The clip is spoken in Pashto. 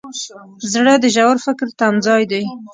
زړه د ژور فکر تمځای دی.